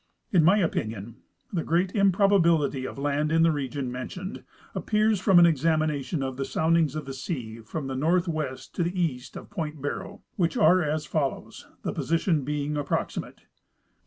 In my opinion, the great improl)ability of land in the region mentioned appears from an examination of the soundings of the sea from the northwest to east of point Barrow, which are as follo^t*s, the position being approximate : 172° W.